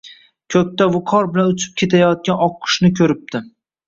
ko‘kda viqor bilan uchib ketayotgan oqqushni ko‘ribdi